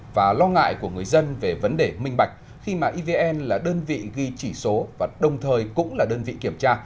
và lo ngại của người dân về vấn đề minh bạch khi mà evn là đơn vị ghi chỉ số và đồng thời cũng là đơn vị kiểm tra